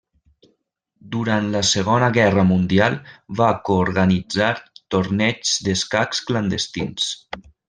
Durant la Segona Guerra Mundial va coorganitzar torneigs d'escacs clandestins.